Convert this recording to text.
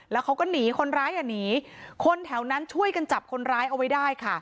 แล้วเขาก็หนีคนร้ายอ่ะหนีคนแถวนั้นช่วยกันจับคนร้ายเอาไว้ได้ค่ะ